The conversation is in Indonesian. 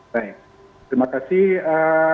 baik terima kasih